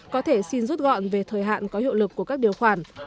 có thể xin rút gọn về thời hạn có hiệu lực của các điều khoản